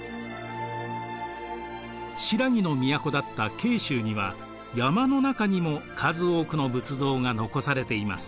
新羅の都だった慶州には山の中にも数多くの仏像が残されています。